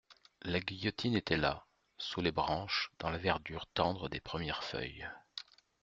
La guillotine était là, sous les branches, dans la verdure tendre des premières feuilles.